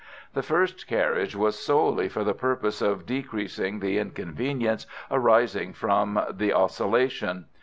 The first carriage was solely for the purpose of decreasing the inconvenience arising from the oscillation.